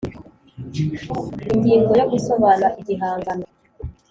Ingingo yo Gusobanura igihangano